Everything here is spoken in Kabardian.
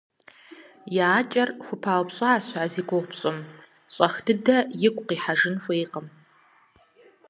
И акӀэр хупаупщӀащ а зи гугъу пщӀым, щӀэх дыдэ игу къихьэжын хуейкъым.